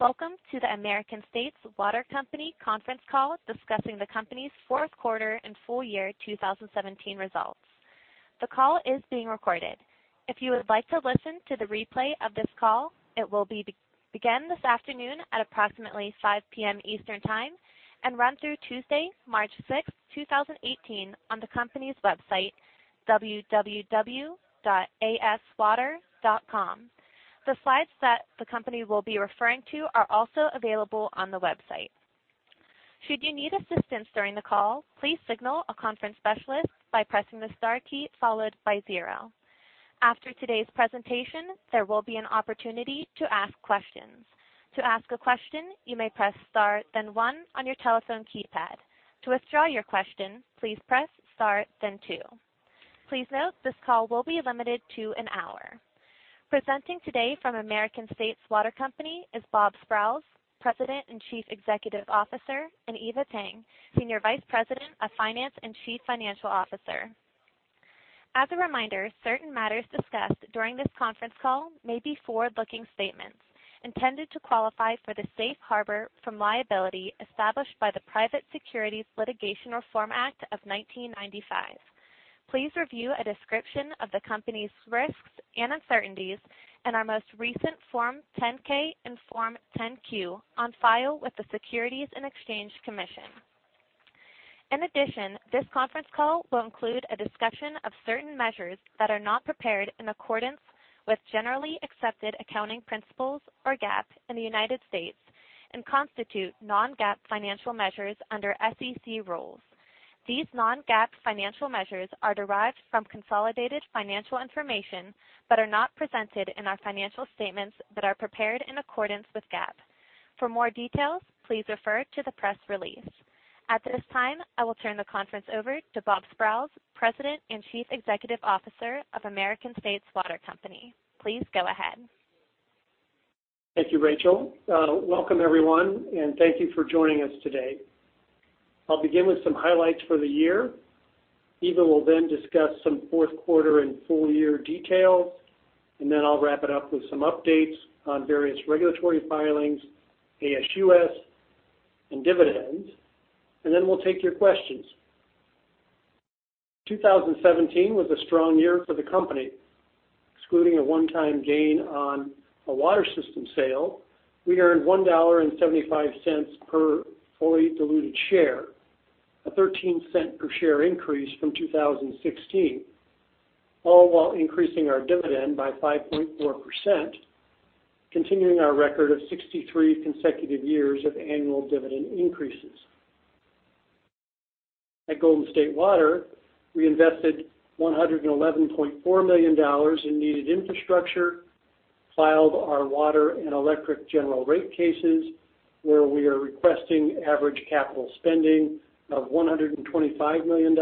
Welcome to the American States Water Company conference call discussing the company's fourth quarter and full year 2017 results. The call is being recorded. If you would like to listen to the replay of this call, it will begin this afternoon at approximately 5:00 P.M. Eastern Time and run through Tuesday, March 6th, 2018, on the company's website, www.aswater.com. The slides that the company will be referring to are also available on the website. Should you need assistance during the call, please signal a conference specialist by pressing the star key followed by zero. After today's presentation, there will be an opportunity to ask questions. To ask a question, you may press star then one on your telephone keypad. To withdraw your question, please press star then two. Please note this call will be limited to an hour. Presenting today from American States Water Company is Bob Sprowls, President and Chief Executive Officer, and Eva Tang, Senior Vice President of Finance and Chief Financial Officer. As a reminder, certain matters discussed during this conference call may be forward-looking statements intended to qualify for the safe harbor from liability established by the Private Securities Litigation Reform Act of 1995. Please review a description of the company's risks and uncertainties in our most recent Form 10-K and Form 10-Q on file with the Securities and Exchange Commission. In addition, this conference call will include a discussion of certain measures that are not prepared in accordance with generally accepted accounting principles, or GAAP, in the United States and constitute non-GAAP financial measures under SEC rules. These non-GAAP financial measures are derived from consolidated financial information but are not presented in our financial statements that are prepared in accordance with GAAP. For more details, please refer to the press release. At this time, I will turn the conference over to Bob Sprowls, President and Chief Executive Officer of American States Water Company. Please go ahead. Thank you, Rachel. Welcome everyone, and thank you for joining us today. I'll begin with some highlights for the year. Eva will then discuss some fourth quarter and full-year details, and then I'll wrap it up with some updates on various regulatory filings, ASUS, and dividends, and then we'll take your questions. 2017 was a strong year for the company. Excluding a one-time gain on a water system sale, we earned $1.75 per fully diluted share, a $0.13 per share increase from 2016, all while increasing our dividend by 5.4%, continuing our record of 63 consecutive years of annual dividend increases. At Golden State Water, we invested $111.4 million in needed infrastructure, filed our water and electric general rate cases, where we are requesting average capital spending of $125 million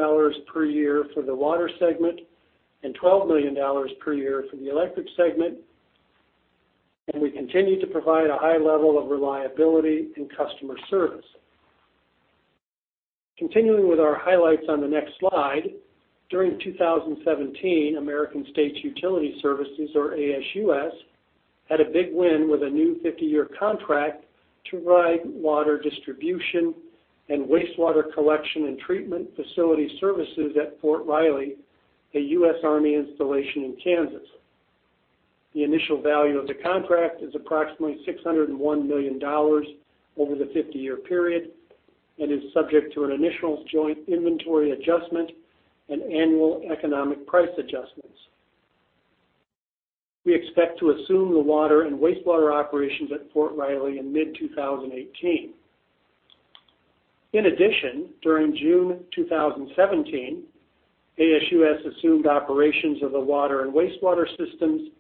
per year for the water segment and $12 million per year for the electric segment, and we continue to provide a high level of reliability and customer service. Continuing with our highlights on the next slide, during 2017, American States Utility Services, or ASUS, had a big win with a new 50-year contract to provide water distribution and wastewater collection and treatment facility services at Fort Riley, a US Army installation in Kansas. The initial value of the contract is approximately $601 million over the 50-year period and is subject to an initial joint inventory adjustment and annual economic price adjustments. We expect to assume the water and wastewater operations at Fort Riley in mid-2018. During June 2017, ASUS assumed operations of the water and wastewater systems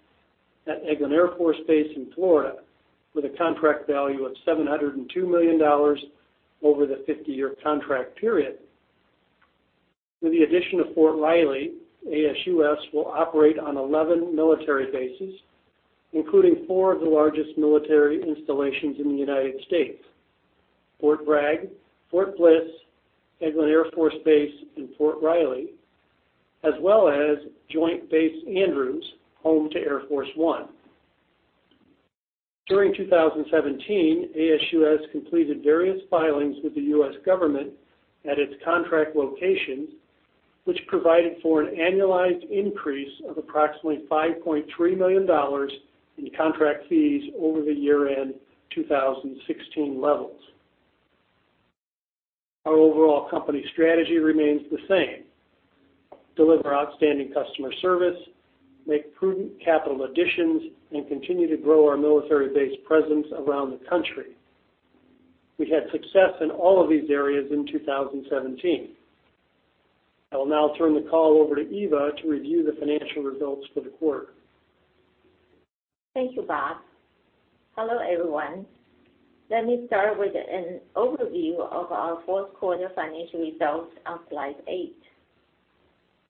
at Eglin Air Force Base in Florida with a contract value of $702 million over the 50-year contract period. With the addition of Fort Riley, ASUS will operate on 11 military bases, including four of the largest military installations in the U.S.: Fort Bragg, Fort Bliss, Eglin Air Force Base, and Fort Riley, as well as Joint Base Andrews, home to Air Force One. During 2017, ASUS completed various filings with the U.S. government at its contract locations, which provided for an annualized increase of approximately $5.3 million in contract fees over the year-end 2016 levels. Our overall company strategy remains the same: deliver outstanding customer service, make prudent capital additions, and continue to grow our military base presence around the country. We had success in all of these areas in 2017. I will now turn the call over to Eva to review the financial results for the quarter. Thank you, Bob. Hello, everyone. Let me start with an overview of our fourth quarter financial results on slide eight.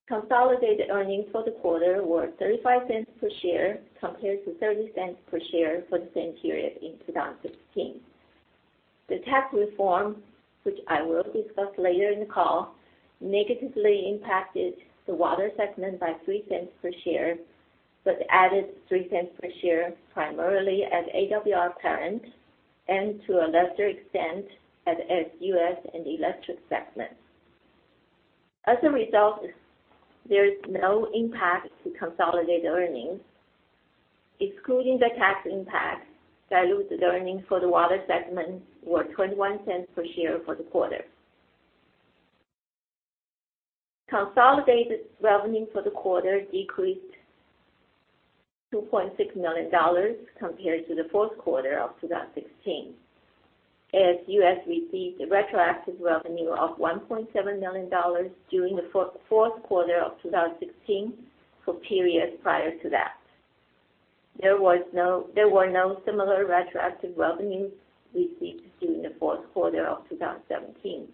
Consolidated earnings for the quarter were $0.35 per share compared to $0.30 per share for the same period in 2016. The tax reform, which I will discuss later in the call, negatively impacted the water segment by $0.03 per share, but added $0.03 per share primarily at AWR Parent and to a lesser extent, at ASUS and Electric segment. As a result, there is no impact to consolidated earnings. Excluding the tax impact, diluted earnings for the water segment were $0.21 per share for the quarter. Consolidated revenue for the quarter decreased $2.6 million compared to the fourth quarter of 2016. ASUS received retroactive revenue of $1.7 million during the fourth quarter of 2016 for periods prior to that. There were no similar retroactive revenues received during the fourth quarter of 2017.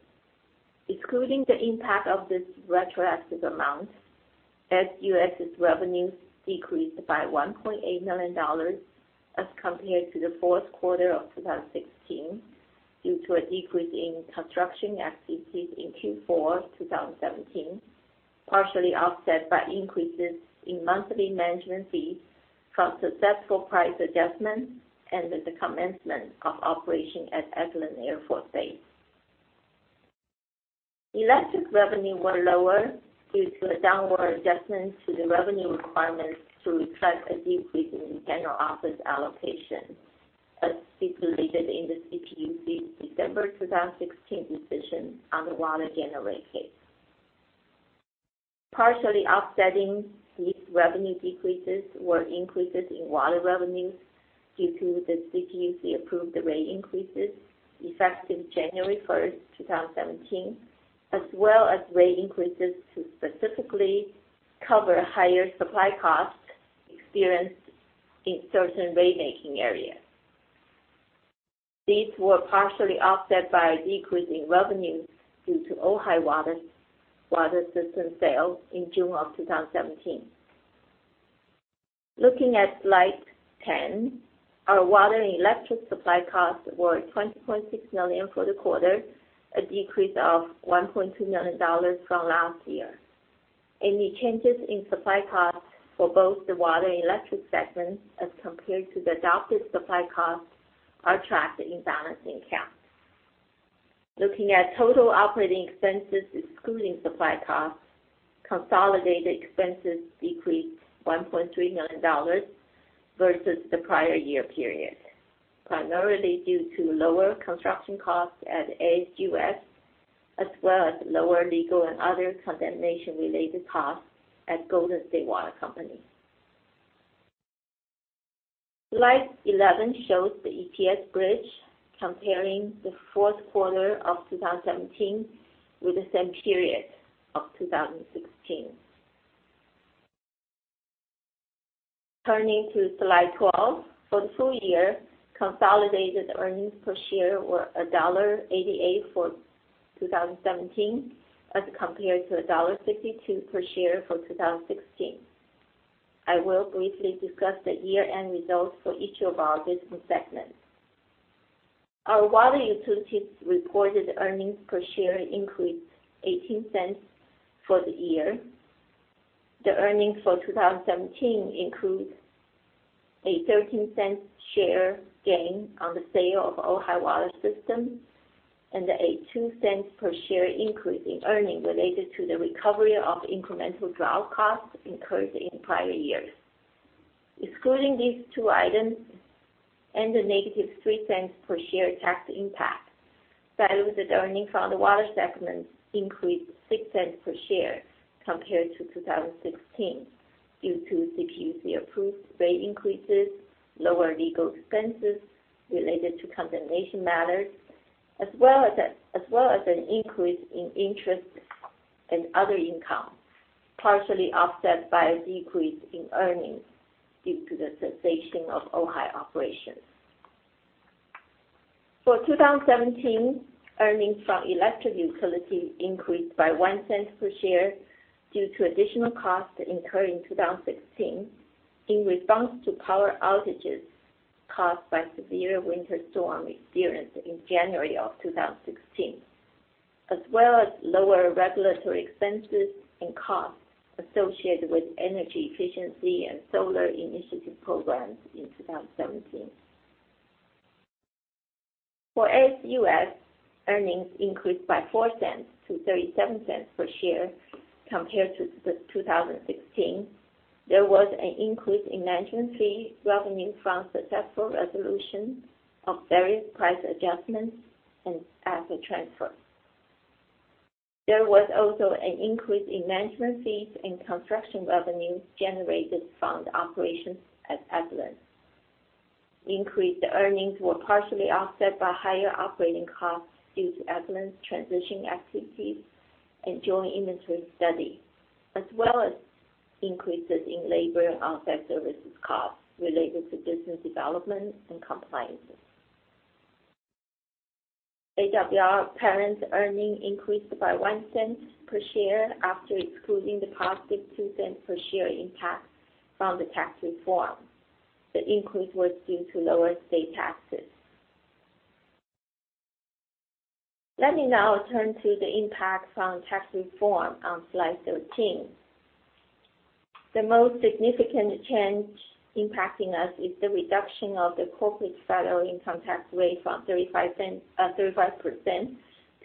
Excluding the impact of this retroactive amount, ASUS's revenues decreased by $1.8 million as compared to the fourth quarter of 2016, due to a decrease in construction activities in Q4 2017, partially offset by increases in monthly management fees from successful price adjustments and with the commencement of operation at Eglin Air Force Base. Electric revenue were lower due to a downward adjustment to the revenue requirements to reflect a decrease in general office allocation, as stipulated in the CPUC December 2016 decision on the water general rate case. Partially offsetting these revenue decreases were increases in water revenues due to the CPUC approved rate increases effective January 1st, 2017, as well as rate increases to specifically cover higher supply costs experienced in certain rate-making areas. These were partially offset by a decrease in revenues due to Ojai Water System sale in June of 2017. Looking at slide 10, our water and electric supply costs were $20.6 million for the quarter, a decrease of $1.2 million from last year. Any changes in supply costs for both the water and electric segments as compared to the adopted supply costs are tracked in balancing account. Looking at total operating expenses excluding supply costs, consolidated expenses decreased $1.3 million versus the prior year period, primarily due to lower construction costs at ASUS, as well as lower legal and other condemnation-related costs at Golden State Water Company. Slide 11 shows the EPS bridge comparing the fourth quarter of 2017 with the same period of 2016. Turning to slide 12, for the full year, consolidated earnings per share were $1.88 for 2017 as compared to $1.62 per share for 2016. I will briefly discuss the year-end results for each of our business segments. Our water utilities reported earnings per share increased $0.18 for the year. The earnings for 2017 include a $0.13 share gain on the sale of Ojai Water System and a $0.02 per share increase in earnings related to the recovery of incremental drought costs incurred in prior years. Excluding these two items and the negative $0.03 per share tax impact, diluted earnings from the water segment increased $0.06 per share compared to 2016 due to CPUC approved rate increases, lower legal expenses related to condemnation matters, as well as an increase in interest and other income, partially offset by a decrease in earnings due to the cessation of Ojai operations. For 2017, earnings from electric utility increased by $0.01 per share due to additional costs incurred in 2016 in response to power outages caused by severe winter storm experienced in January of 2016, as well as lower regulatory expenses and costs associated with energy efficiency and solar initiative programs in 2017. For ASUS, earnings increased by $0.04 to $0.37 per share compared to 2016. There was an increase in management fee revenue from successful resolution of various price adjustments and asset transfers. There was also an increase in management fees and construction revenues generated from the operations at Eglin. Increased earnings were partially offset by higher operating costs due to Eglin's transitioning activities and joint inventory study, as well as increases in labor and outside services costs related to business development and compliance. AWR Parent earnings increased by $0.01 per share after excluding the positive $0.02 per share impact from the tax reform. The increase was due to lower state taxes. Let me now turn to the impact from tax reform on slide 13. The most significant change impacting us is the reduction of the corporate federal income tax rate from 35%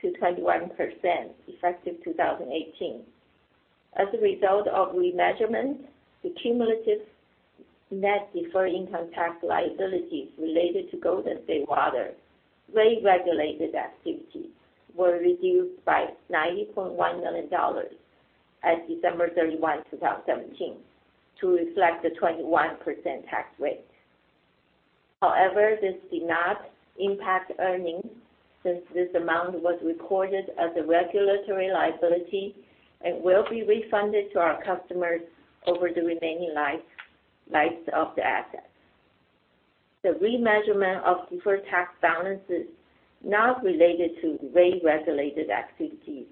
to 21%, effective 2018. As a result of remeasurement, the cumulative net deferred income tax liabilities related to Golden State Water rate regulated activities were reduced by $90.1 million at December 31, 2017, to reflect the 21% tax rate. However, this did not impact earnings since this amount was recorded as a regulatory liability and will be refunded to our customers over the remaining life of the asset. The remeasurement of deferred tax balances not related to rate-regulated activities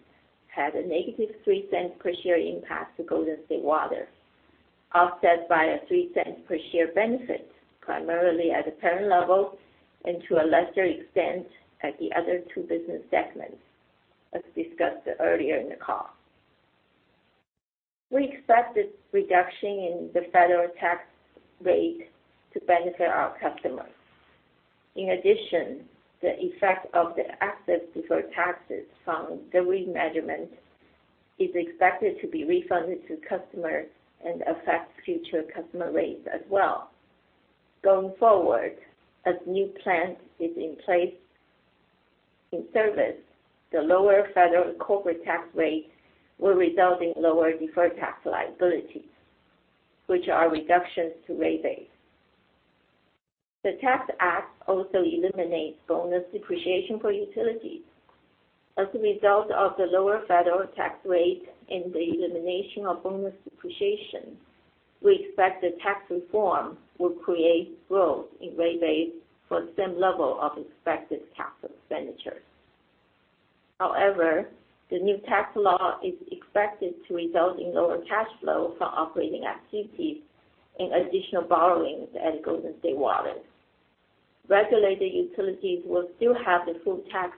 had a negative $0.03 per share impact to Golden State Water, offset by a $0.03 per share benefit, primarily at the parent level and to a lesser extent at the other two business segments, as discussed earlier in the call. We expect this reduction in the federal tax rate to benefit our customers. In addition, the effect of the asset deferred taxes from the remeasurement is expected to be refunded to customers and affect future customer rates as well. Going forward, as new plant is in place in service, the lower federal corporate tax rate will result in lower deferred tax liabilities, which are reductions to rate base. The Tax Act also eliminates bonus depreciation for utilities. As a result of the lower federal tax rate and the elimination of bonus depreciation, we expect the tax reform will create growth in rate base for the same level of expected capital expenditures. However, the new tax law is expected to result in lower cash flow from operating activities and additional borrowings at Golden State Water. Regulated utilities will still have the full tax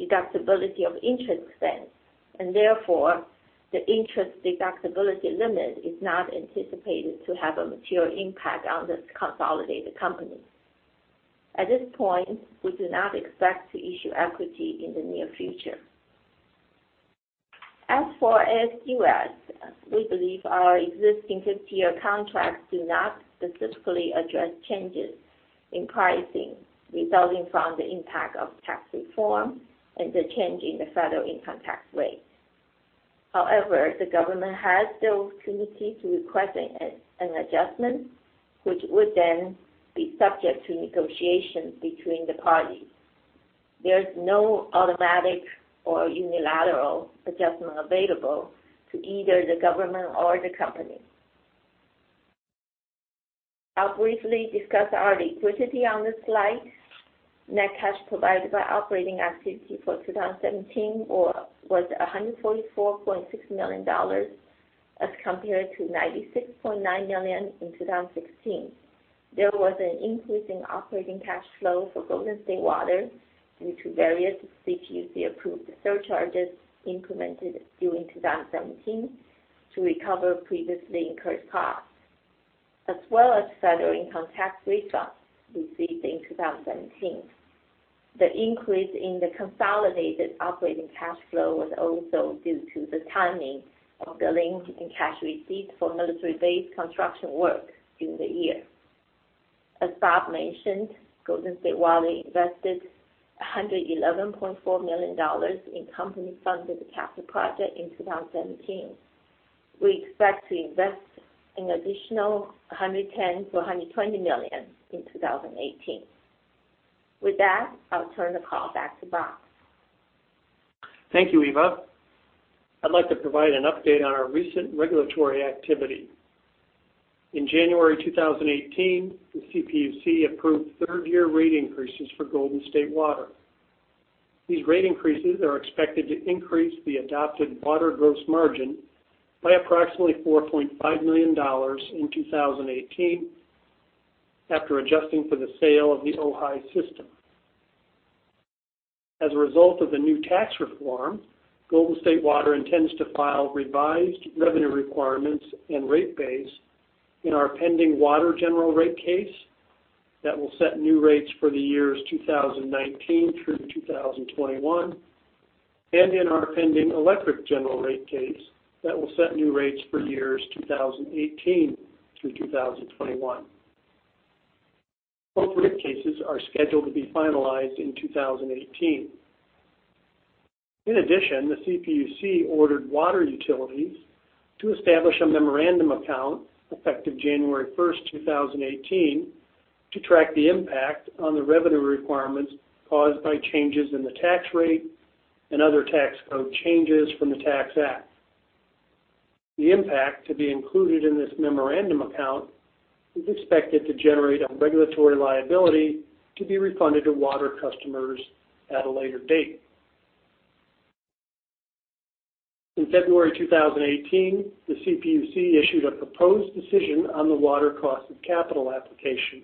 deductibility of interest expense, and therefore, the interest deductibility limit is not anticipated to have a material impact on this consolidated company. At this point, we do not expect to issue equity in the near future. As for ASUS, we believe our existing 50-year contracts do not specifically address changes in pricing resulting from the impact of tax reform and the change in the federal income tax rate. However, the government has the opportunity to request an adjustment, which would then be subject to negotiation between the parties. There is no automatic or unilateral adjustment available to either the government or the company. I'll briefly discuss our liquidity on this slide. Net cash provided by operating activity for 2017 was $144.6 million as compared to $96.9 million in 2016. There was an increase in operating cash flow for Golden State Water due to various CPUC-approved surcharges implemented during 2017 to recover previously incurred costs, as well as federal income tax refunds received in 2017. The increase in the consolidated operating cash flow was also due to the timing of billings and cash receipts for military base construction work during the year. As Bob mentioned, Golden State Water invested $111.4 million in company-funded capital project in 2017. We expect to invest an additional $110 million-$120 million in 2018. With that, I'll turn the call back to Bob. Thank you, Eva. I'd like to provide an update on our recent regulatory activity. In January 2018, the CPUC approved third-year rate increases for Golden State Water. These rate increases are expected to increase the adopted water gross margin by approximately $4.5 million in 2018 after adjusting for the sale of the Ojai system. As a result of the new tax reform, Golden State Water intends to file revised revenue requirements and rate base in our pending water general rate case that will set new rates for the years 2019 through 2021, and in our pending electric general rate case that will set new rates for years 2018 through 2021. Both rate cases are scheduled to be finalized in 2018. The CPUC ordered water utilities to establish a memorandum account effective January 1st, 2018, to track the impact on the revenue requirements caused by changes in the tax rate and other tax code changes from the Tax Act. The impact to be included in this memorandum account is expected to generate a regulatory liability to be refunded to water customers at a later date. In February 2018, the CPUC issued a proposed decision on the water cost of capital application.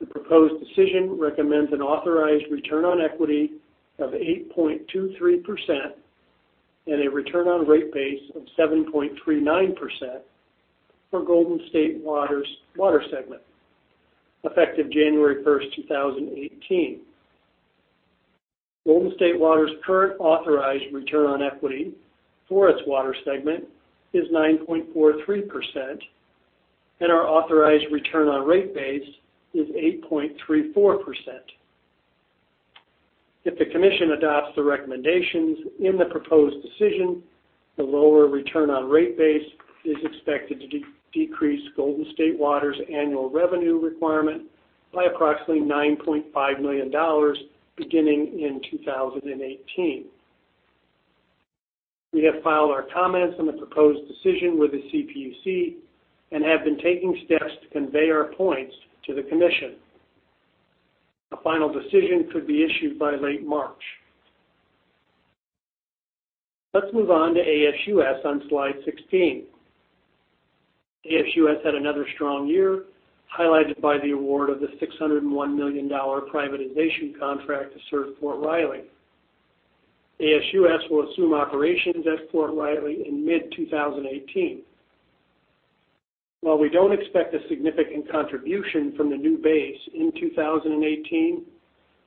The proposed decision recommends an authorized return on equity of 8.23% and a return on rate base of 7.39% for Golden State Water's water segment, effective January 1st, 2018. Golden State Water's current authorized return on equity for its water segment is 9.43%, and our authorized return on rate base is 8.34%. If the Commission adopts the recommendations in the proposed decision, the lower return on rate base is expected to decrease Golden State Water's annual revenue requirement by approximately $9.5 million, beginning in 2018. We have filed our comments on the proposed decision with the CPUC and have been taking steps to convey our points to the Commission. A final decision could be issued by late March. Let's move on to ASUS on slide 16. ASUS had another strong year, highlighted by the award of the $601 million privatization contract to serve Fort Riley. ASUS will assume operations at Fort Riley in mid-2018. While we don't expect a significant contribution from the new base in 2018,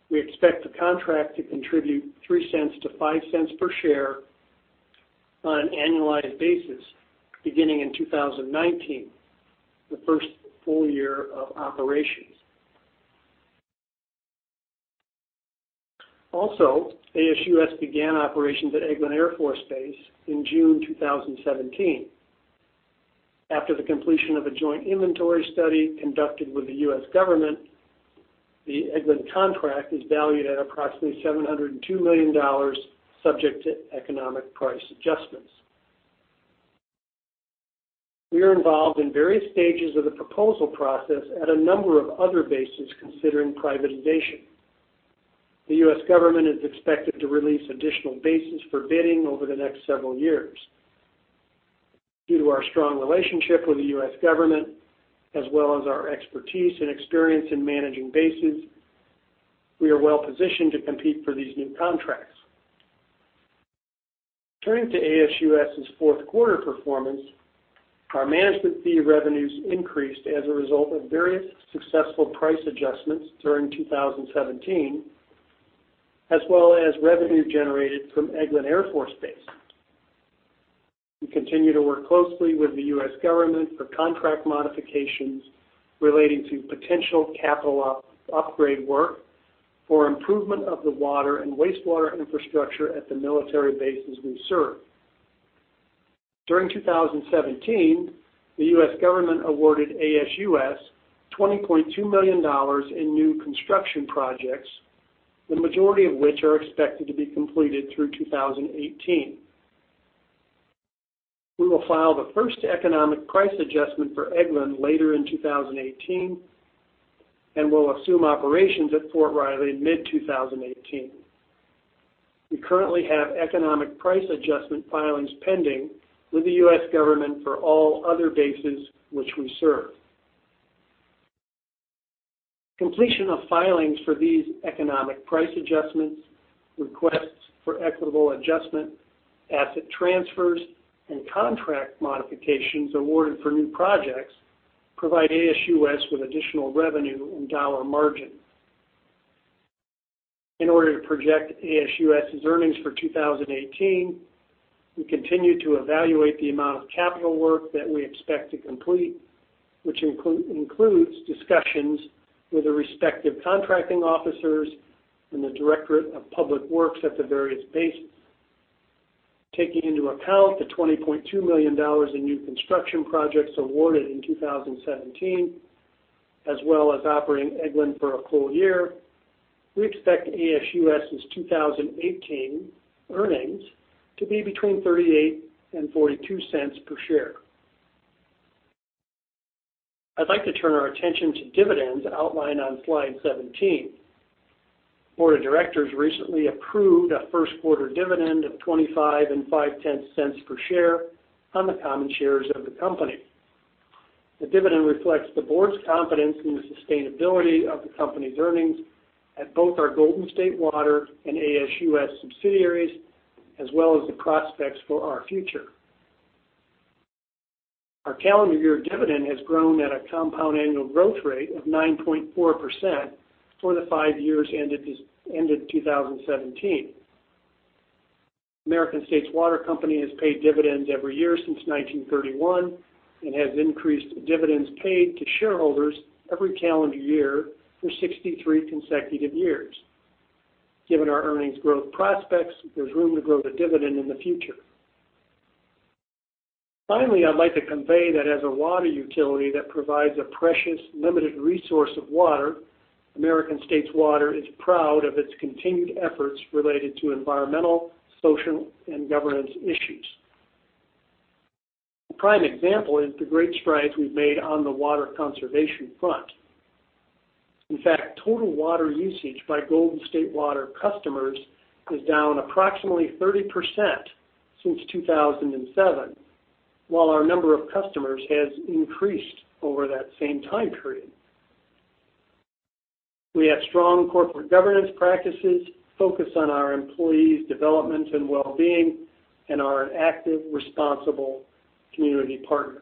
we expect the contract to contribute $0.03-$0.05 per share on an annualized basis beginning in 2019, the first full year of operations. Also, ASUS began operations at Eglin Air Force Base in June 2017. After the completion of a joint inventory study conducted with the U.S. government, the Eglin contract is valued at approximately $702 million, subject to economic price adjustments. We are involved in various stages of the proposal process at a number of other bases considering privatization. The U.S. government is expected to release additional bases for bidding over the next several years. Due to our strong relationship with the U.S. government, as well as our expertise and experience in managing bases, we are well-positioned to compete for these new contracts. Turning to ASUS's fourth quarter performance, our management fee revenues increased as a result of various successful price adjustments during 2017, as well as revenue generated from Eglin Air Force Base. We continue to work closely with the U.S. government for contract modifications relating to potential capital upgrade work for improvement of the water and wastewater infrastructure at the military bases we serve. During 2017, the U.S. government awarded ASUS $20.2 million in new construction projects, the majority of which are expected to be completed through 2018. We will file the first economic price adjustment for Eglin later in 2018, and will assume operations at Fort Riley mid-2018. We currently have economic price adjustment filings pending with the U.S. government for all other bases which we serve. Completion of filings for these economic price adjustments, requests for equitable adjustment, asset transfers, and contract modifications awarded for new projects provide ASUS with additional revenue and dollar margin. In order to project ASUS's earnings for 2018, we continue to evaluate the amount of capital work that we expect to complete, which includes discussions with the respective contracting officers and the Directorate of Public Works at the various bases. Taking into account the $20.2 million in new construction projects awarded in 2017, as well as operating Eglin for a full year, we expect ASUS's 2018 earnings to be between $0.38 and $0.42 per share. I'd like to turn our attention to dividends outlined on slide 17. Board of Directors recently approved a first quarter dividend of $0.255 per share on the common shares of the company. The dividend reflects the board's confidence in the sustainability of the company's earnings at both our Golden State Water and ASUS subsidiaries, as well as the prospects for our future. Our calendar year dividend has grown at a compound annual growth rate of 9.4% for the five years ended 2017. American States Water Company has paid dividends every year since 1931 and has increased dividends paid to shareholders every calendar year for 63 consecutive years. Given our earnings growth prospects, there's room to grow the dividend in the future. Finally, I'd like to convey that as a water utility that provides a precious limited resource of water, American States Water is proud of its continued efforts related to environmental, social, and governance issues. A prime example is the great strides we've made on the water conservation front. In fact, total water usage by Golden State Water customers is down approximately 30% since 2007, while our number of customers has increased over that same time period. We have strong corporate governance practices, focus on our employees' development and well-being, and are an active, responsible community partner.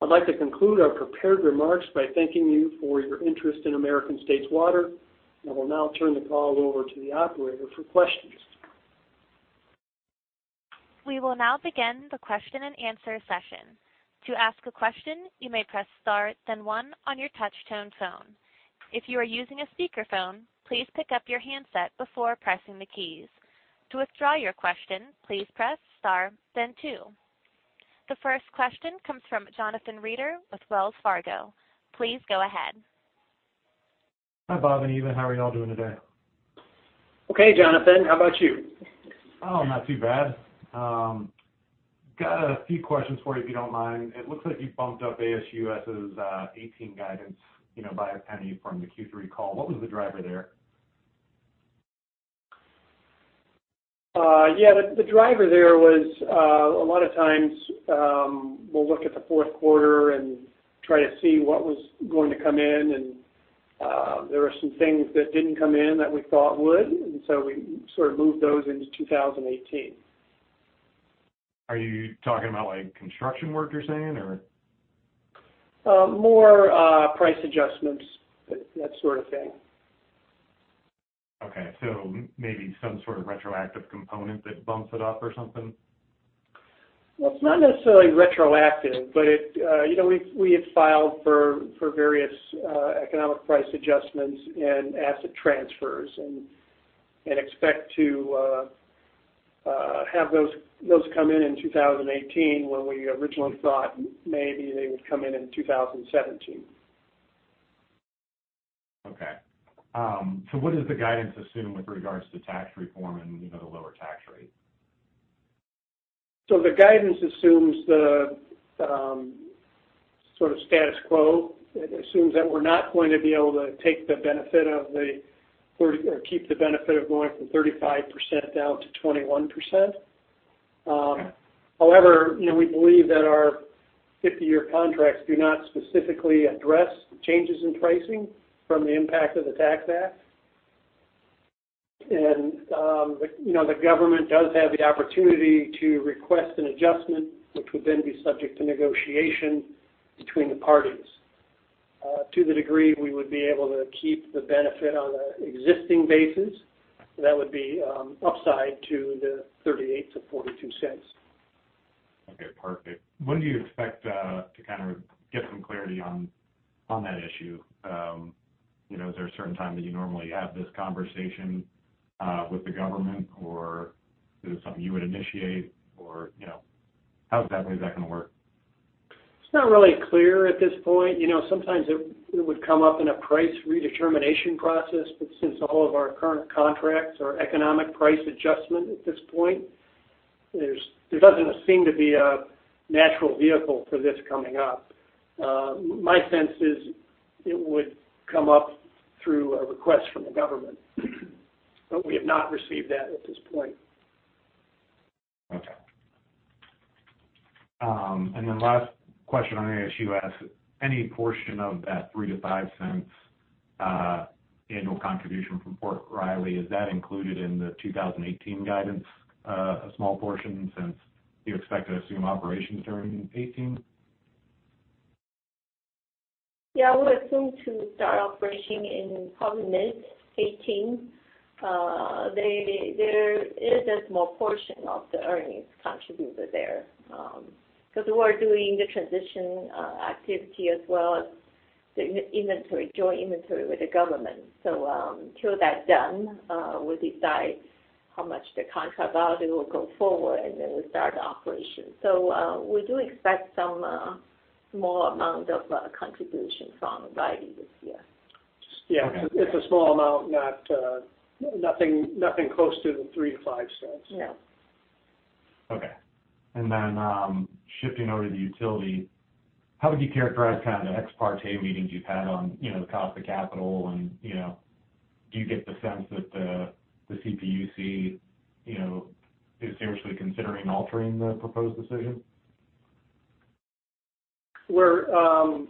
I'd like to conclude our prepared remarks by thanking you for your interest in American States Water. I will now turn the call over to the operator for questions. We will now begin the question and answer session. To ask a question, you may press star, then one on your touch tone phone. If you are using a speakerphone, please pick up your handset before pressing the keys. To withdraw your question, please press star, then two. The first question comes from Jonathan Reeder with Wells Fargo. Please go ahead. Hi, Bob and Eva. How are you all doing today? Okay, Jonathan. How about you? Oh, not too bad. Got a few questions for you, if you don't mind. It looks like you bumped up ASUS's 2018 guidance by $0.01 from the Q3 call. What was the driver there? Yeah. The driver there was, a lot of times, we'll look at the fourth quarter and try to see what was going to come in, and there were some things that didn't come in that we thought would, and so we sort of moved those into 2018. Are you talking about construction work, you're saying? More price adjustments, that sort of thing. Okay. Maybe some sort of retroactive component that bumps it up or something? Well, it's not necessarily retroactive, but we had filed for various economic price adjustments and asset transfers and expect to have those come in in 2018, when we originally thought maybe they would come in in 2017. Okay. What does the guidance assume with regards to tax reform and the lower tax rate? The guidance assumes the sort of status quo. It assumes that we're not going to be able to keep the benefit of going from 35% down to 21%. However, we believe that our 50-year contracts do not specifically address changes in pricing from the impact of the Tax Act. The government does have the opportunity to request an adjustment, which would then be subject to negotiation between the parties. To the degree we would be able to keep the benefit on an existing basis, that would be upside to the $0.38-$0.42. Okay, perfect. When do you expect to get some clarity on that issue? Is there a certain time that you normally have this conversation with the government, or is it something you would initiate? How exactly is that going to work? It's not really clear at this point. Sometimes it would come up in a price redetermination process, but since all of our current contracts are economic price adjustment at this point, there doesn't seem to be a natural vehicle for this coming up. My sense is it would come up through a request from the government. We have not received that at this point. Okay. Last question on ASUS. Any portion of that $0.03-$0.05 annual contribution from Fort Riley, is that included in the 2018 guidance, a small portion, since you expect to assume operations during 2018? Yeah. We'll assume to start operating in probably mid-2018. There is a small portion of the earnings contributed there, because we're doing the transition activity as well as the joint inventory with the government. Until that's done, we'll decide how much the contract value will go forward, we start operation. We do expect some small amount of contribution from Riley this year. Yeah. It's a small amount, nothing close to the $0.03-$0.05. Yeah. Shifting over to the utility, how would you characterize the ex parte meetings you've had on the cost of capital, do you get the sense that the CPUC is seriously considering altering the proposed decision? To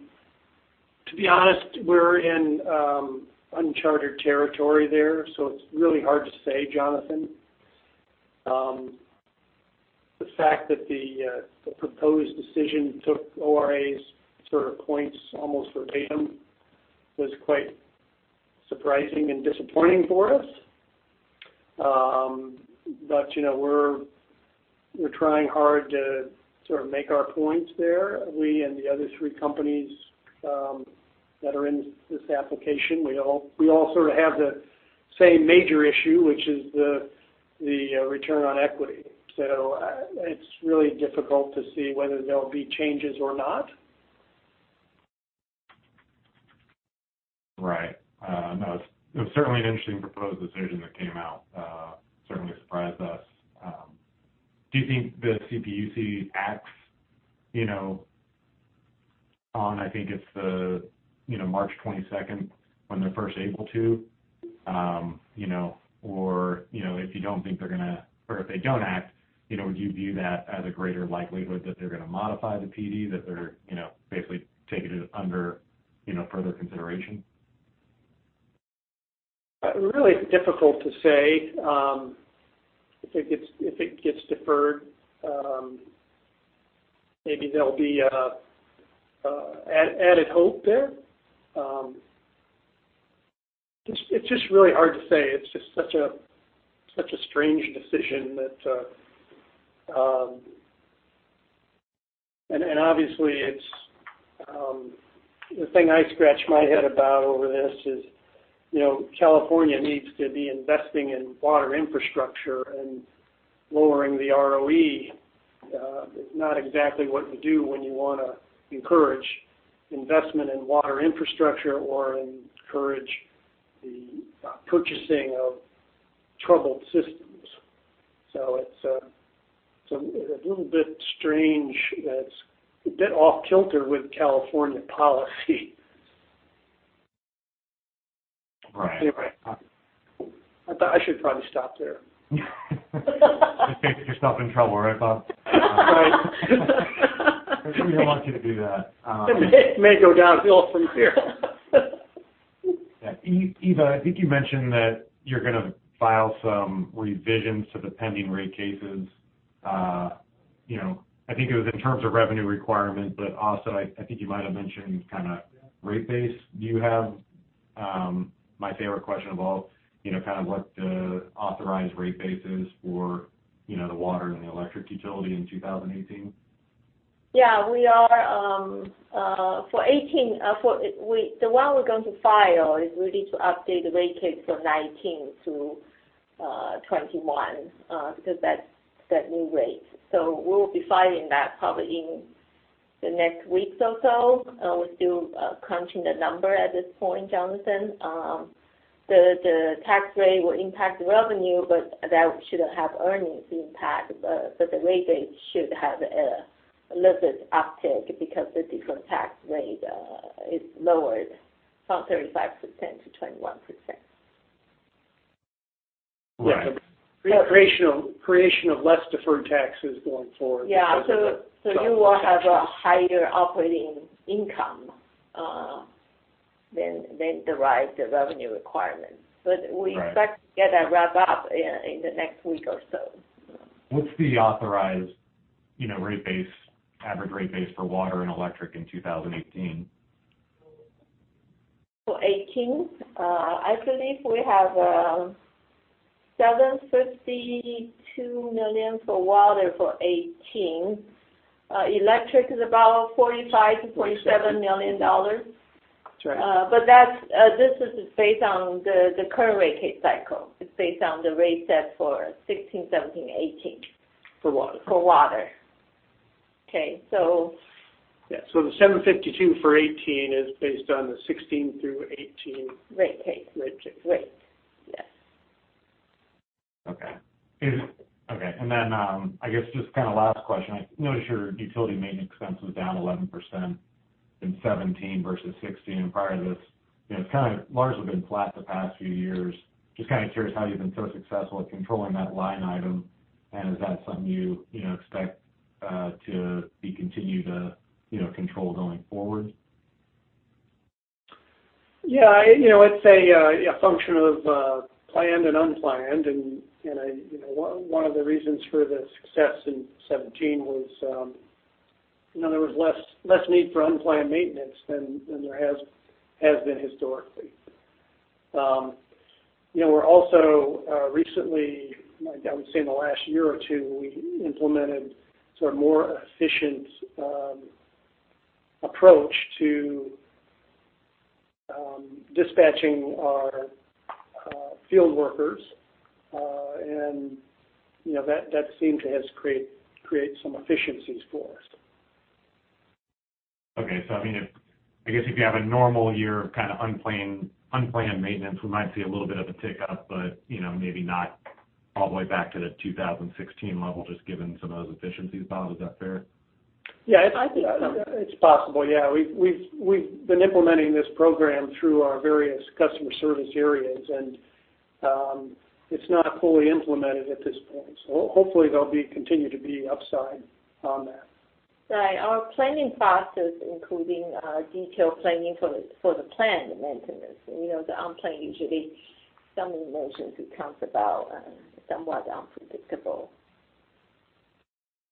be honest, we're in uncharted territory there, it's really hard to say, Jonathan. The fact that the proposed decision took ORA's points almost verbatim was quite surprising and disappointing for us. We're trying hard to make our points there. We and the other three companies that are in this application, we all sort of have the same major issue, which is the return on equity. It's really difficult to see whether there'll be changes or not. Right. No, it was certainly an interesting proposed decision that came out. Certainly surprised us. Do you think the CPUC acts on, I think it's the March 22nd, when they're first able to? If they don't act, would you view that as a greater likelihood that they're going to modify the PD, that they're basically taking it under further consideration? Really difficult to say. If it gets deferred, maybe there'll be added hope there. It's just really hard to say. It's just such a strange decision. Obviously, the thing I scratch my head about over this is, California needs to be investing in water infrastructure, and lowering the ROE is not exactly what you do when you want to encourage investment in water infrastructure or encourage the purchasing of troubled systems. It's a little bit strange. That's a bit off kilter with California policy. Right. I thought I should probably stop there. Just getting yourself in trouble, right, Bob? Right. We don't want you to do that. It may go downhill from here. Yeah. Eva, I think you mentioned that you're going to file some revisions to the pending rate cases. I think it was in terms of revenue requirement, but also, I think you might have mentioned rate base. Do you have my favorite question of all, what the authorized rate base is for the water and the electric utility in 2018? Yeah, we are. The one we're going to file is really to update the rate case for 2019-2021, because that's the new rate. We'll be filing that probably in the next week or so. We're still crunching the number at this point, Jonathan. The tax rate will impact the revenue, but that shouldn't have earnings impact. The rate base should have a little bit uptick because the different tax rate is lowered from 35% to 21%. Right. Creation of less deferred taxes going forward because of the- Yeah. You will have a higher operating income than the revenue requirement. Right. We expect to get a wrap up in the next week or so. What's the authorized average rate base for water and electric in 2018? For 2018? I believe we have $752 million for water for 2018. Electric is about $45 million-$47 million. That's right. This is based on the current rate case cycle. It's based on the rate set for 2016, 2017, 2018. For water. For water. Okay. Yeah. The 752 for 2018 is based on the 2016 through 2018. Rate Case, which is rates. Yes. Okay. I guess just last question, I noticed your utility maintenance expense was down 11% in 2017 versus 2016 and prior to this. It's kind of largely been flat the past few years. Just kind of curious how you've been so successful at controlling that line item, and is that something you expect to be continued, controlled going forward? Yeah. It's a function of planned and unplanned, and one of the reasons for the success in 2017 was there was less need for unplanned maintenance than there has been historically. We're also recently, I would say in the last year or two, we implemented a more efficient approach to dispatching our field workers, and that seemed to have create some efficiencies for us. Okay. I guess if you have a normal year of unplanned maintenance, we might see a little bit of a tick up, but maybe not all the way back to the 2016 level, just given some of those efficiencies, Bob. Is that fair? Yeah. I think so. It's possible, yeah. We've been implementing this program through our various customer service areas, and it's not fully implemented at this point, so hopefully there'll be continue to be upside on that. Right. Our planning process, including detailed planning for the planned maintenance. The unplanned usually some emergency comes about and somewhat unpredictable.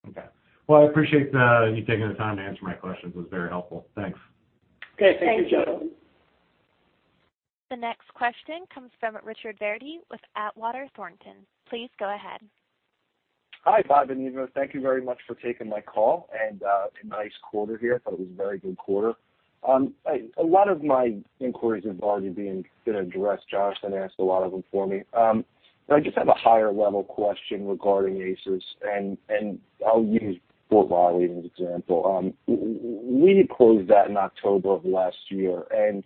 Okay. Well, I appreciate you taking the time to answer my questions. It was very helpful. Thanks. Okay. Thank you, Jonathan. Thank you. The next question comes from Richard Verdi with Atwater Thornton. Please go ahead. Hi, Bob and Eva. Thank you very much for taking my call, and a nice quarter here. Thought it was a very good quarter. A lot of my inquiries have already been addressed. Jonathan asked a lot of them for me. I just have a higher level question regarding ASUS, and I'll use Fort Riley as an example. We closed that in October of last year and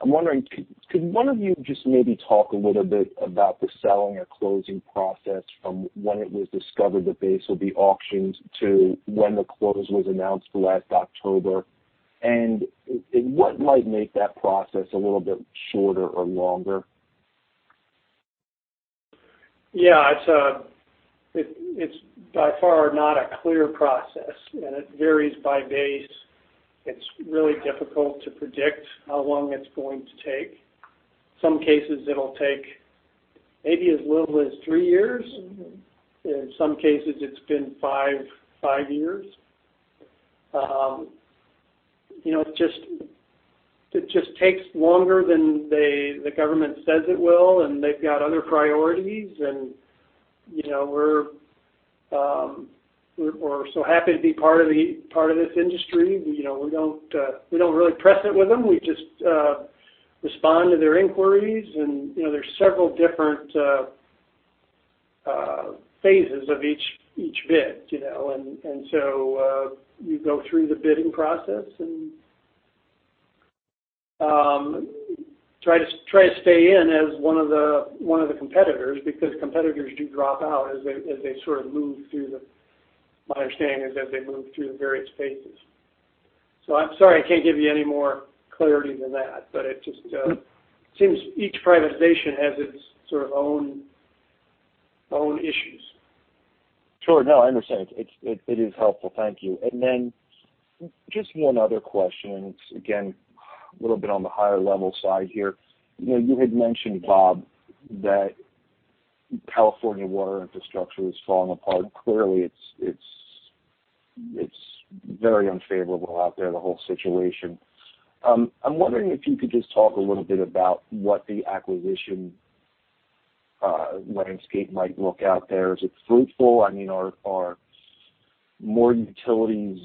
I'm wondering, could one of you just maybe talk a little bit about the selling or closing process from when it was discovered the base would be auctioned to when the close was announced last October, and what might make that process a little bit shorter or longer? Yeah. It's by far not a clear process, and it varies by base. It's really difficult to predict how long it's going to take. Some cases, it'll take maybe as little as three years. In some cases, it's been five years. It just takes longer than the government says it will, and they've got other priorities, and we're so happy to be part of this industry. We don't really press it with them. We just respond to their inquiries, and there's several different phases of each bid. You go through the bidding process and try to stay in as one of the competitors, because competitors do drop out as they sort of move through. My understanding is that they move through the various phases. I'm sorry I can't give you any more clarity than that, but it just seems each privatization has its sort of own issues. Sure. No, I understand. It is helpful. Thank you. Just one other question, and it's again, a little bit on the higher level side here. You had mentioned, Bob, that California water infrastructure is falling apart. Clearly, it's very unfavorable out there, the whole situation. I'm wondering if you could just talk a little bit about what the acquisition landscape might look out there. Is it fruitful? Are more utilities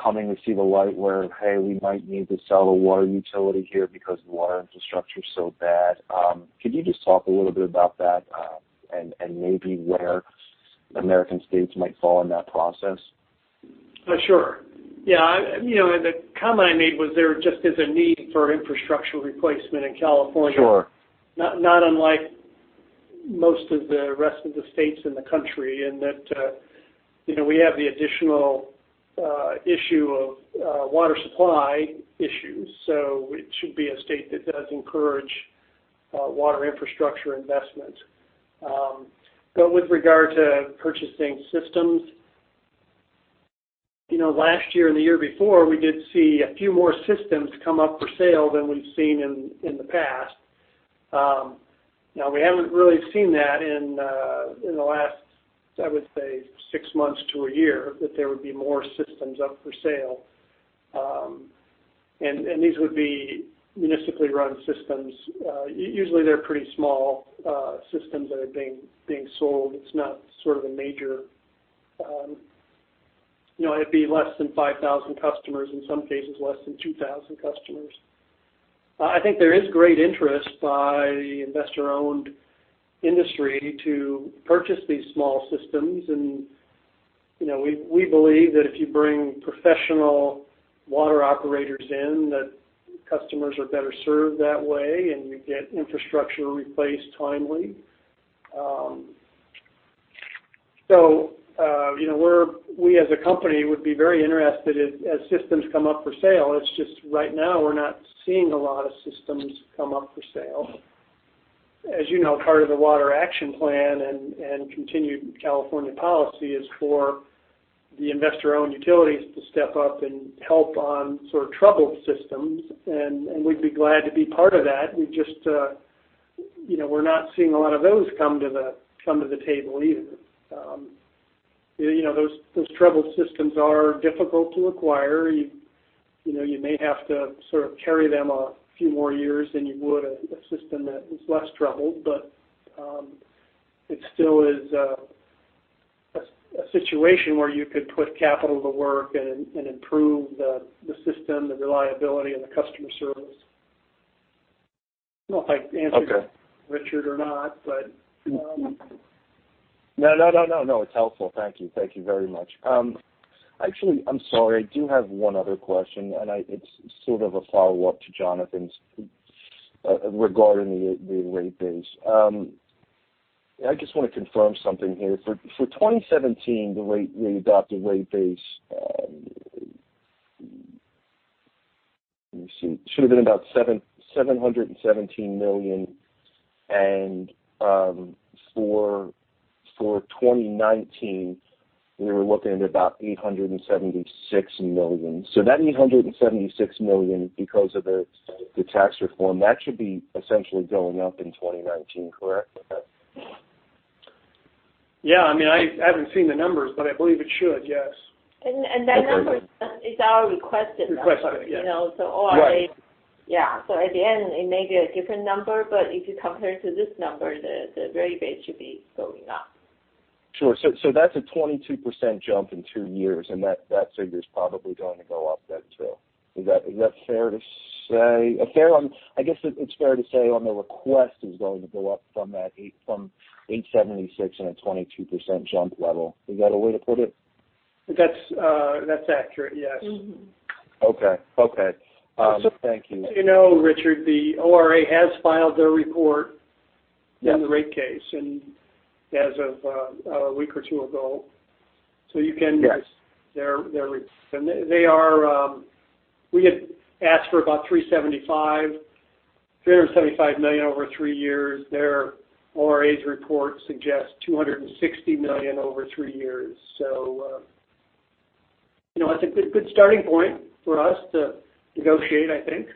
coming to see the light where, hey, we might need to sell a water utility here because the water infrastructure is so bad? Could you just talk a little bit about that, and maybe where American States might fall in that process? Sure. Yeah. The comment I made was there just is a need for infrastructure replacement in California. Sure. Not unlike most of the rest of the states in the country, we have the additional issue of water supply issues. It should be a state that does encourage water infrastructure investment. With regard to purchasing systems, last year and the year before, we did see a few more systems come up for sale than we've seen in the past. Now, we haven't really seen that in the last, I would say, six months to a year, that there would be more systems up for sale. These would be municipally run systems. Usually, they're pretty small systems that are being sold. It'd be less than 5,000 customers, in some cases, less than 2,000 customers. I think there is great interest by investor-owned industry to purchase these small systems, and we believe that if you bring professional water operators in, that customers are better served that way, and you get infrastructure replaced timely. We as a company, would be very interested as systems come up for sale. It's just right now we're not seeing a lot of systems come up for sale. As you know, part of the Water Action Plan and continued California policy is for the investor-owned utilities to step up and help on sort of troubled systems, and we'd be glad to be part of that. We're not seeing a lot of those come to the table either. Those troubled systems are difficult to acquire. You may have to sort of carry them a few more years than you would a system that is less troubled, it still is a situation where you could put capital to work and improve the system, the reliability, and the customer service. I don't know if I answered. Okay Richard, or not, but No. It's helpful. Thank you. Thank you very much. Actually, I'm sorry, I do have one other question, and it's sort of a follow-up to Jonathan's regarding the rate base. I just want to confirm something here. For 2017, the adopted rate base, let me see, should've been about $717 million, and for 2019, we were looking at about $876 million. That $876 million, because of the tax reform, that should be essentially going up in 2019, correct? Yeah. I haven't seen the numbers, but I believe it should. Yes. That number is our requested number. Requested. Yes. All I Right. At the end, it may be a different number, but if you compare it to this number, the rate base should be going up. Sure. That's a 22% jump in 2 years, and that figure's probably going to go up then, too. Is that fair to say? I guess it's fair to say on the request is going to go up from that $876 and a 22% jump level. Is that a way to put it? That's accurate, yes. Okay. Thank you. As you know, Richard, the ORA has filed their report. Yes in the rate case, as of a week or two ago. you can. Yes their report. We had asked for about $375 million over 3 years. Their ORA's report suggests $260 million over 3 years. That's a good starting point for us to negotiate, I think.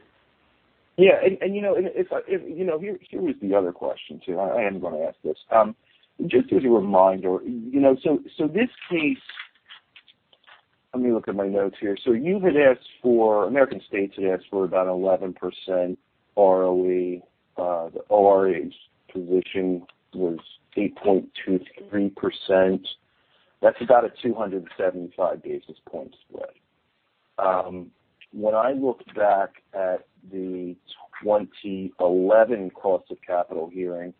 Yeah. Here is the other question, too. I'm going to ask this. Just as a reminder, this case, let me look at my notes here. You had asked for, American States had asked for about 11% ROE. The ORA's position was 8.23%. That's about a 275 basis point spread. When I look back at the 2011 cost of capital hearing,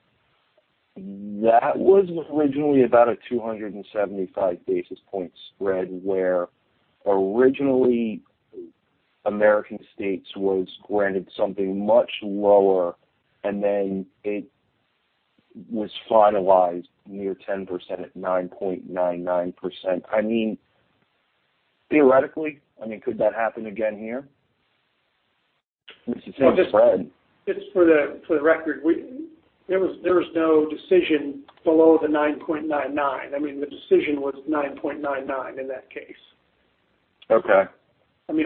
that was originally about a 275 basis point spread, where originally, American States was granted something much lower, and then it was finalized near 10% at 9.99%. Theoretically, could that happen again here? It's the same spread. Just for the record, there was no decision below the 9.99%. The decision was 9.99% in that case. Okay.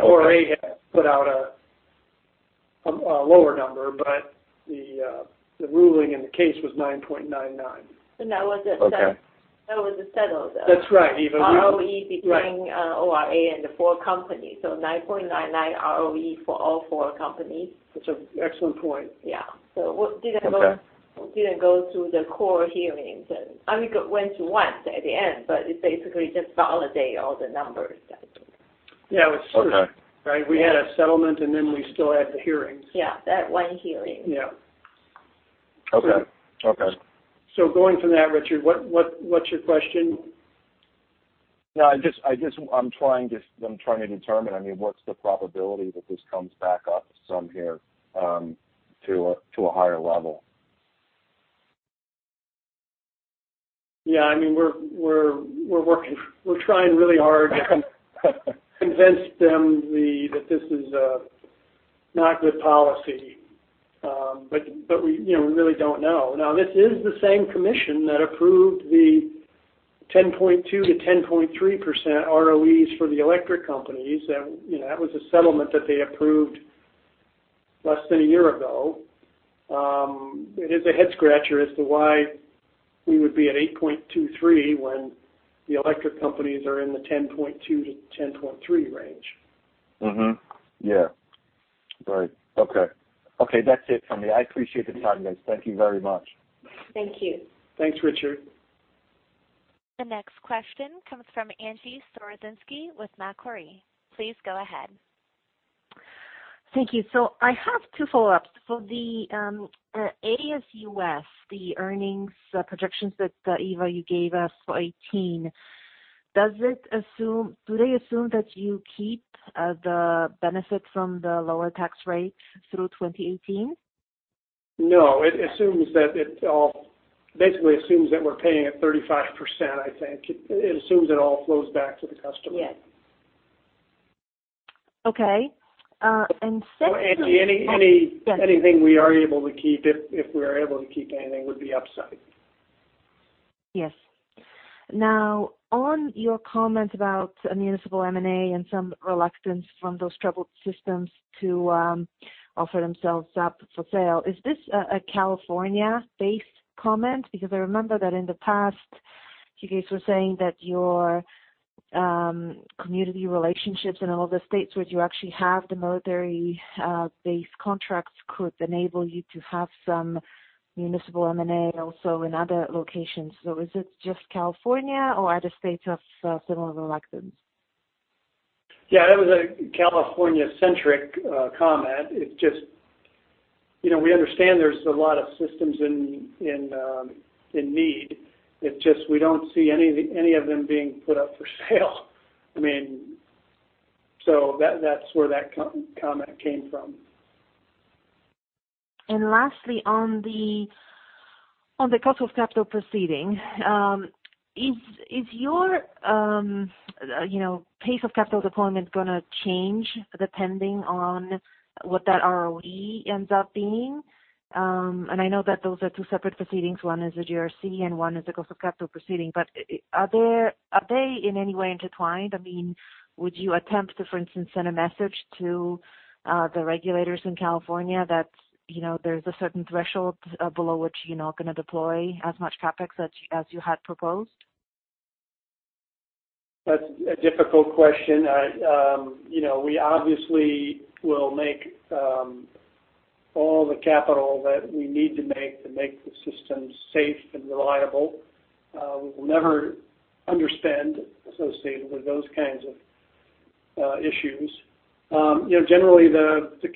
ORA had put out a lower number, the ruling in the case was 9.99%. That was a settled. That's right, Eva. ROE between ORA and the four companies. 9.99 ROE for all four companies. Which are excellent points. Yeah. We didn't. Okay We didn't go through the core hearings. It went to us at the end, it basically just validated all the numbers that. Yeah, it was true. Okay. We had a settlement, we still had the hearings. Yeah, that one hearing. Yeah. Okay. Going from that, Richard, what's your question? I'm trying to determine what's the probability that this comes back up some here to a higher level. Yeah. We're trying really hard to convince them that this is a not good policy. We really don't know. This is the same commission that approved the 10.2%-10.3% ROEs for the electric companies. That was a settlement that they approved less than a year ago. It is a head-scratcher as to why we would be at 8.23% when the electric companies are in the 10.2%-10.3% range. Mm-hmm. Yeah. Right. Okay. That's it from me. I appreciate the time, guys. Thank you very much. Thank you. Thanks, Richard. The next question comes from Angie Storozynski with Macquarie. Please go ahead. Thank you. I have two follow-ups. For the ASUS, the earnings projections that, Eva, you gave us for 2018, do they assume that you keep the benefit from the lower tax rate through 2018? No. It basically assumes that we're paying at 35%, I think. It assumes it all flows back to the customer. Yes. Okay. Secondly. Angie, anything we are able to keep, if we are able to keep anything, would be upside. Yes. On your comment about a municipal M&A and some reluctance from those troubled systems to offer themselves up for sale, is this a California-based comment? I remember that in the past, you guys were saying that your community relationships in all the states where you actually have the military base contracts could enable you to have some municipal M&A also in other locations. Is it just California, or are the states also similarly reluctant? That was a California-centric comment. We understand there's a lot of systems in need. It's just we don't see any of them being put up for sale. That's where that comment came from. Lastly, on the cost of capital proceeding, is your pace of capital deployment going to change depending on what that ROE ends up being? I know that those are two separate proceedings. One is the GRC and one is the cost of capital proceeding. Are they in any way intertwined? Would you attempt to, for instance, send a message to the regulators in California that there's a certain threshold below which you're not going to deploy as much CapEx as you had proposed? That's a difficult question. We obviously will make all the capital that we need to make, to make the system safe and reliable. We will never underspend associated with those kinds of issues. Generally, the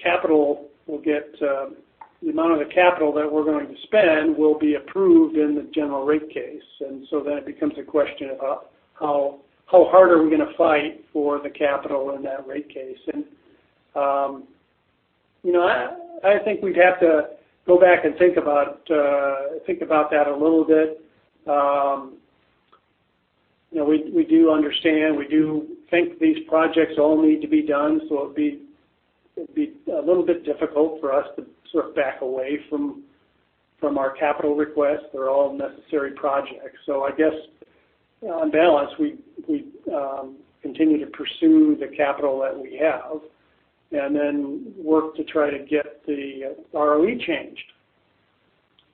amount of the capital that we're going to spend will be approved in the general rate case. It becomes a question about how hard are we going to fight for the capital in that rate case. I think we'd have to go back and think about that a little bit. We do understand, we do think these projects all need to be done, so it'd be a little bit difficult for us to sort of back away from our capital requests. They're all necessary projects. I guess, on balance, we'd continue to pursue the capital that we have and then work to try to get the ROE changed.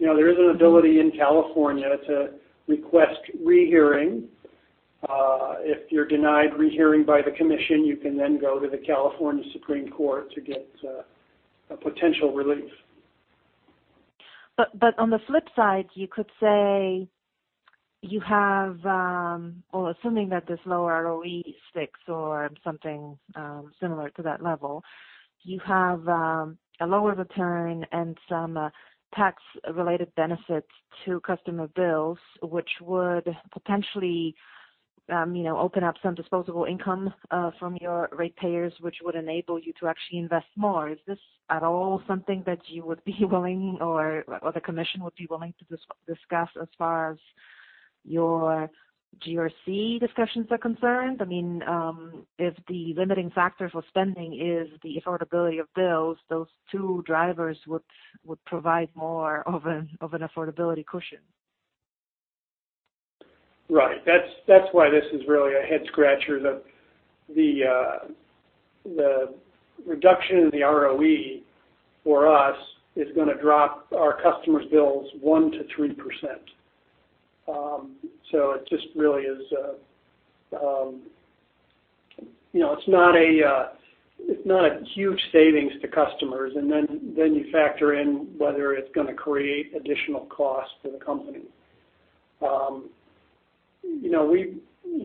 There is an ability in California to request rehearing. If you're denied rehearing by the commission, you can go to the California Supreme Court to get a potential relief. On the flip side, you could say you have, well, assuming that this low ROE sticks or something similar to that level, you have a lower return and some tax-related benefits to customer bills, which would potentially open up some disposable income from your ratepayers, which would enable you to actually invest more. Is this at all something that you would be willing or the commission would be willing to discuss as far as your GRC discussions are concerned? I mean, if the limiting factor for spending is the affordability of bills, those two drivers would provide more of an affordability cushion. Right. That's why this is really a head-scratcher. The reduction in the ROE for us is going to drop our customers' bills 1%-3%. It's not a huge savings to customers. You factor in whether it's going to create additional cost for the company.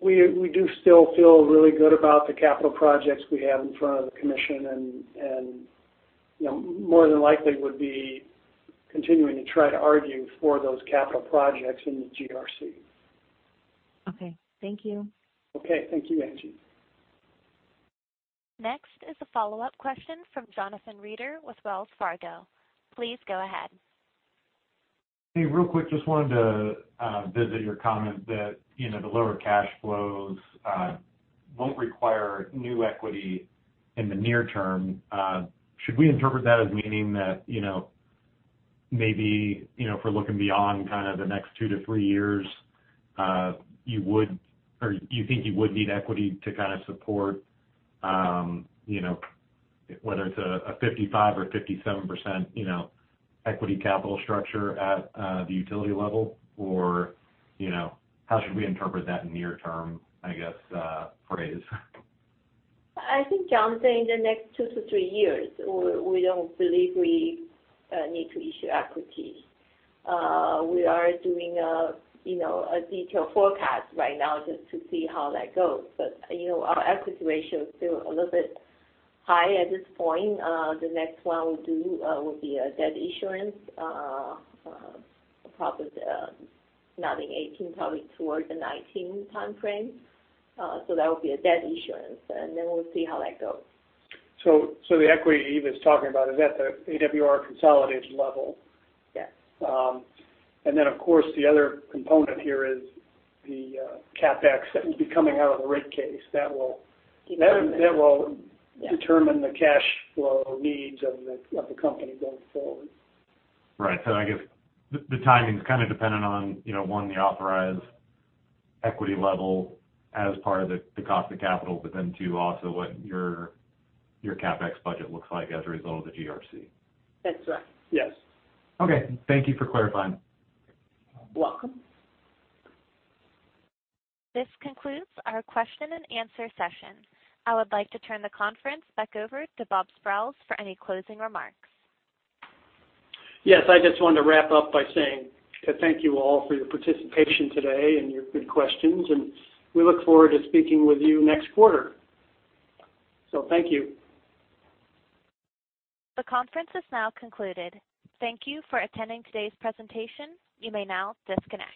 We do still feel really good about the capital projects we have in front of the commission, and more than likely would be continuing to try to argue for those capital projects in the GRC. Okay. Thank you. Okay. Thank you, Angie. Next is a follow-up question from Jonathan Reeder with Wells Fargo. Please go ahead. Hey, real quick, just wanted to visit your comment that the lower cash flows won't require new equity in the near term. Should we interpret that as meaning that maybe, if we're looking beyond kind of the next two to three years, you think you would need equity to kind of support whether it's a 55% or 57% equity capital structure at the utility level? How should we interpret that near term, I guess, phrase? I think, Jonathan, in the next two to three years, we don't believe we need to issue equity. We are doing a detailed forecast right now just to see how that goes. Our equity ratio is still a little bit high at this point. The next one we'll do will be a debt issuance, probably not in 2018, probably towards the 2019 timeframe. That will be a debt issuance, and then we'll see how that goes. The equity Eva is talking about, is that the AWR consolidated level? Yes. Of course, the other component here is the CapEx that will be coming out of the rate case. Be coming out, yeah. determine the cash flow needs of the company going forward. Right. I guess the timing's kind of dependent on, one, the authorized equity level as part of the cost of capital, but then, two, also what your CapEx budget looks like as a result of the GRC. That's right. Yes. Okay. Thank you for clarifying. Welcome. This concludes our question and answer session. I would like to turn the conference back over to Bob Sprowls for any closing remarks. I just wanted to wrap up by saying to thank you all for your participation today and your good questions, we look forward to speaking with you next quarter. Thank you. The conference has now concluded. Thank you for attending today's presentation. You may now disconnect.